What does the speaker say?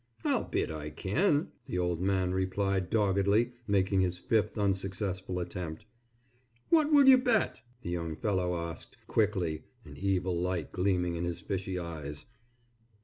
"I'll bet I kin," the old man replied doggedly, making his fifth unsuccessful attempt. "What will you bet?" the young fellow asked, quickly, an evil light gleaming in his fishy eyes.